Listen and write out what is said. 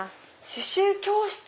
刺しゅう教室。